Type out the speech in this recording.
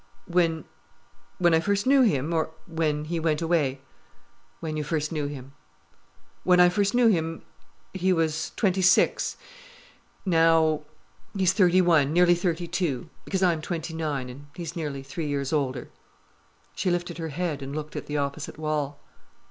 "When—when I first knew him? Or when he went away?——" "When you first knew him." "When I first knew him, he was twenty six—now—he's thirty one—nearly thirty two—because I'm twenty nine, and he is nearly three years older——" She lifted her head and looked at the opposite wall.